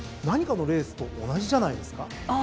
何かのレースと同じじゃないですか？